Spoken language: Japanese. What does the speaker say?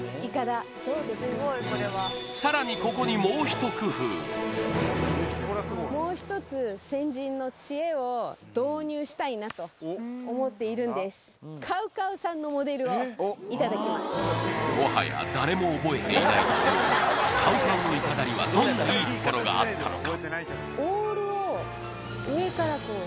さらにここにもうひと工夫なと思っているんですもはやＣＯＷＣＯＷのイカダにはどんないいところがあったのか？